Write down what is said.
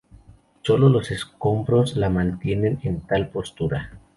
Solo los escombros la mantienen en tal postura.